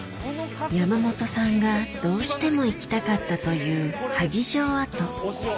山本さんがどうしても行きたかったという萩城跡